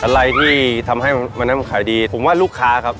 อะไรที่ทำให้วันนั้นมันขายดีผมว่าลูกค้าครับ